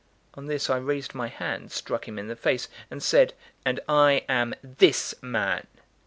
On this I raised my hand, struck him in the face, and said: "And I am 'this' man."